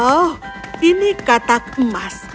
oh ini katak emas